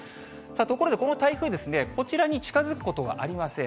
ところでこの台風、こちらに近づくことはありません。